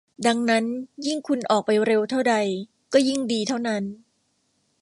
ดังนั้นยิ่งคุณออกไปเร็วเท่าใดก็ยิ่งดีเท่านั้น